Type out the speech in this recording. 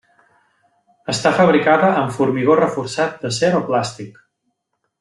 Està fabricada amb formigó reforçat d'acer o plàstic.